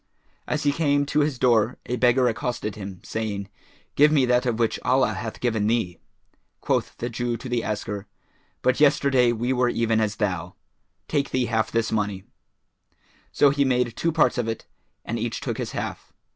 As he came to his door, a beggar accosted him, saying, "Give me of that which Allah hath given thee." Quoth the Jew to the asker, "But yesterday we were even as thou; take thee half this money:" so he made two parts of it, and each took his half.